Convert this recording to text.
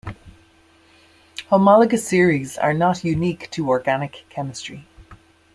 Homologous series are not unique to organic chemistry.